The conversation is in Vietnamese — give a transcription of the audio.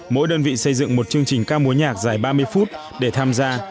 mỗi đơn vị xây dựng một chương trình ca múa nhạc dài ba mươi phút để tham gia